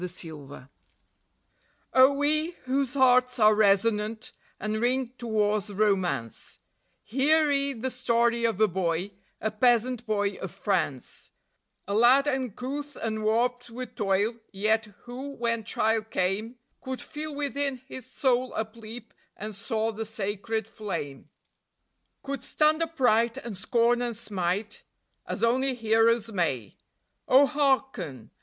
Jean Desprez Oh ye whose hearts are resonant, and ring to War's romance, Hear ye the story of a boy, a peasant boy of France; A lad uncouth and warped with toil, yet who, when trial came, Could feel within his soul upleap and soar the sacred flame; Could stand upright, and scorn and smite, as only heroes may: Oh, harken!